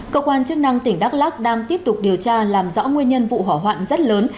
cơ quan chức năng tỉnh đắk lắc đang tiếp tục điều tra làm rõ nguyên nhân vụ hỏa hoạn rất lớn